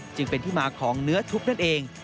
จึงเป็นที่มาของเนื้อชุบนั่นเอง